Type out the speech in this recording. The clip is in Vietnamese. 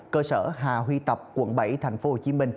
cơ sở hà huy tập quận bảy tp hcm